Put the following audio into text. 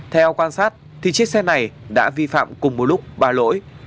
theo quan sát thì chiếc xe này đã vi phạm cùng một lúc ba lỗi